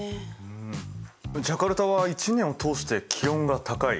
うんジャカルタは一年を通して気温が高い。